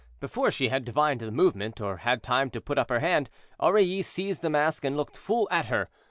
Before she had divined the movement, or had time to put up her hand, Aurilly seized the mask and looked full at her.